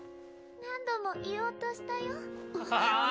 何度も言おうとしたよ。